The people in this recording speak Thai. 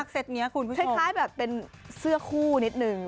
เต็ตนี้คุณผู้ชมคล้ายแบบเป็นเสื้อคู่นิดนึง